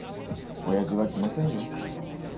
親父は来ませんよ。